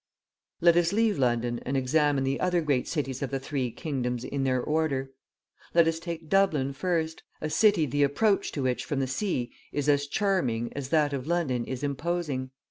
Let us leave London and examine the other great cities of the three kingdoms in their order. Let us take Dublin first, a city the approach to which from the sea is as charming as that of London is imposing.